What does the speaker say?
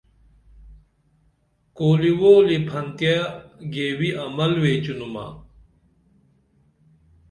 کولی وولی پھن تیہ گیوی عمل ویچینُمہ